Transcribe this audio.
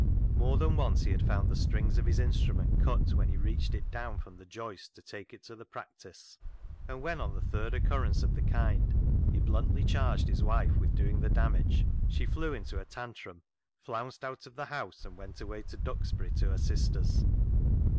More than once he had found the strings of his instrument cut when he reached it down from the joists to take it to the practice, and when, on the third occurrence of the kind, he bluntly charged his wife with doing the damage, she flew into a " tantrum," flounced out of the house, and went away to Duxbury to her sister's.